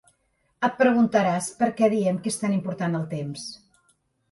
Et preguntaràs per què diem que és tan important el temps.